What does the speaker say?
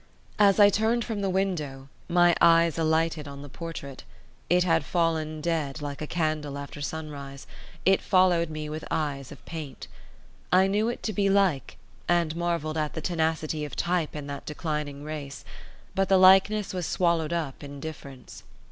As I turned from the window, my eyes alighted on the portrait. It had fallen dead, like a candle after sunrise; it followed me with eyes of paint. I knew it to be like, and marvelled at the tenacity of type in that declining race; but the likeness was swallowed up in difference.